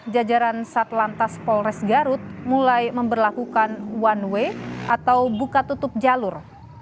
jajaran satlantas polres garut mulai memperlakukan one way atau buka tutup jalur